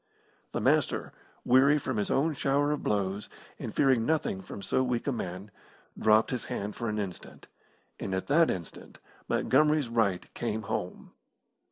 The Master, weary from his own shower of blows, and fearing nothing from so weak a man, dropped his hand for an instant, and at that instant Montgomery's right came home.